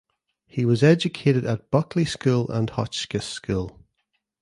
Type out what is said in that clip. He was educated at Buckley School and Hotchkiss School.